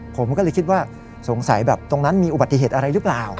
ผมก็เลยคิดว่าสงสัยแบบตรงนั้นมีอุบัติเหตุอะไรหรือเปล่า